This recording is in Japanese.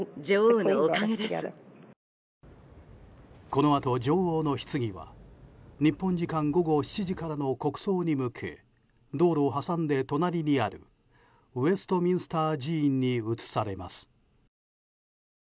このあと女王のひつぎは日本時間午後７時からの国葬に向け道路を挟んで隣にあるウェストミンスター寺院に移されます。